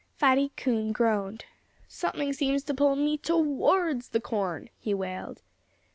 Fatty Coon groaned. "Something seems to pull me towards the corn!" he wailed.